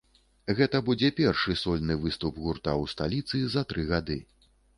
Гэта будзе першы сольны выступ гурта ў сталіцы за тры гады.